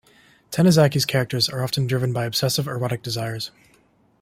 Tanizaki's characters are often driven by obsessive erotic desires.